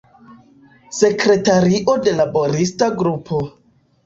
Sekretario de laborista grupo.